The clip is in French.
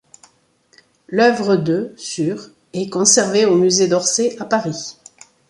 L'œuvre de sur est conservée au Musée d'Orsay à Paris.